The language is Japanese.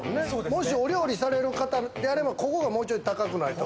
もしお料理される方であれば、ここがもうちょっと高くないと。